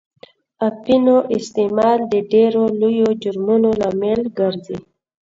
اپینو استعمال د ډېرو لویو جرمونو لامل ګرځي.